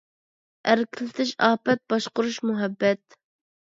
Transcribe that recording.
ئەركىلىتىش ئاپەت، باشقۇرۇش مۇھەببەت.